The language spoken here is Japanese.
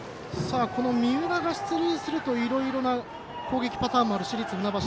三浦が出塁するといろいろな攻撃パターンもある市立船橋。